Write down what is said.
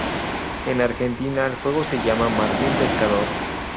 En Argentina el juego se llama Martín Pescador.